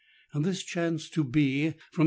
This chanced to be from S.